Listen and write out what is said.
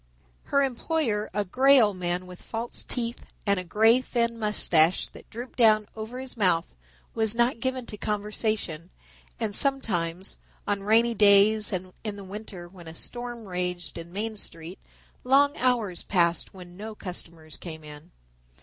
Her employer, a grey old man with false teeth and a thin grey mustache that drooped down over his mouth, was not given to conversation, and sometimes, on rainy days and in the winter when a storm raged in Main Street, long hours passed when no customers came in.